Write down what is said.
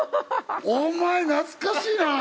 お前懐かしいな。